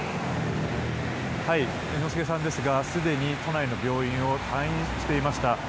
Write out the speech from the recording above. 猿之助さんですがすでに都内の病院を退院していました。